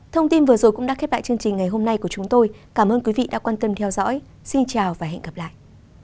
thông tin vừa rồi cũng đã khép lại chương trình ngày hôm nay của chúng tôi cảm ơn quý vị đã quan tâm theo dõi xin chào và hẹn gặp lại